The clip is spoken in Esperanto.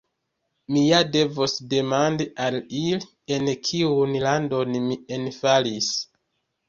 Mi ja devos demandi al ili en kiun landon mi enfalis.